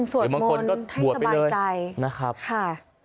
สวดโมนให้สบายใจนะครับค่ะ